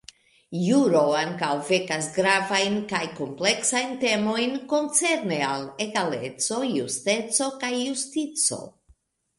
Juro ankaŭ vekas gravajn kaj kompleksajn temojn koncerne al egaleco, justeco, kaj justico.